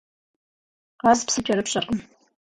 Къаз псы кӏэрыпщӏэркъым.